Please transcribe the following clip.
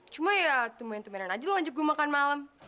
cuma ya temenin temenin aja lo ngajak gue makan malem